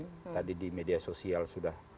tadi di media sosial sudah